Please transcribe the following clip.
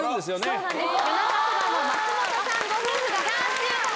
そうなんです。